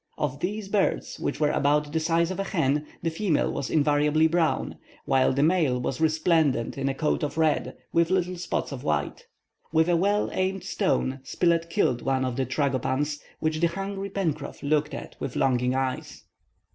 Of these birds, which were about the size of a hen, the female was invariably brown, while the male was resplendent in a coat of red, with little spots of white. With a well aimed stone Spilett killed one of the tragopans, which the hungry Pencroff looked at with longing eyes.